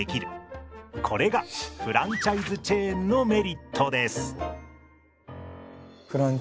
これがフランチャイズチェーンのメリットです。